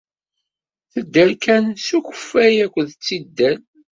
Tedder kan s ukeffay akked tidal.